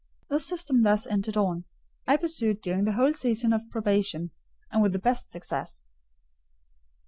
The system thus entered on, I pursued during the whole season of probation; and with the best success.